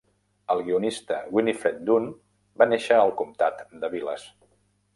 El guionista Winifred Dunn va néixer al comtat de Vilas.